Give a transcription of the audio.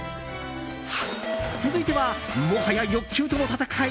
続いては、もはや欲求との戦い？